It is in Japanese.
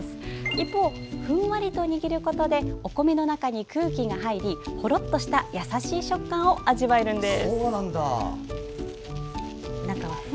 一方、ふんわりと握ることでお米の中に空気が入りほろっとした優しい食感を味わえるんです。